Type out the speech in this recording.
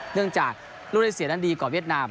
เนื่องจากรุณเศรษฐ์นั้นดีกว่าเวียดนาม